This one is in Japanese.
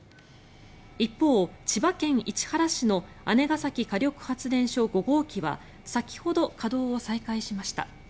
一方、千葉県市原市の姉崎火力発電所５号機は先ほど稼働を再開しました。